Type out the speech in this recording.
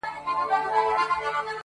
له اغيار سره يې كړي پيوندونه!